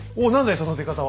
その出方は。